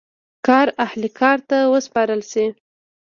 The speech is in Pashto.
کار اهل کار ته وسپارل شي.